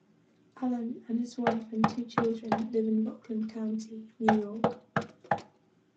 Allen and his wife and two children live in Rockland County, New York.